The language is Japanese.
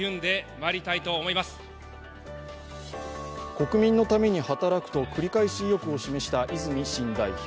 国民のために働くと繰り返し意欲を見せた泉新代表。